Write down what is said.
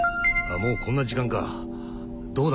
もうこんな時間かどうだ？